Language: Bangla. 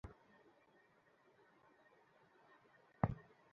তিনি তার প্রথম উপন্যাস 'স্রোতের ফুল' রচনা করেন।